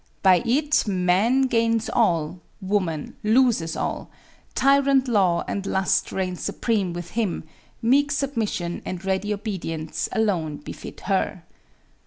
By it man gains all; woman loses all; tyrant law and lust reign supreme with him; meek submission and ready obedience alone befit her.